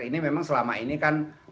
ini memang selama ini kan